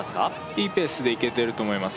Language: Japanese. いいペースでいけてると思います